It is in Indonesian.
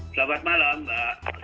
selamat malam mbak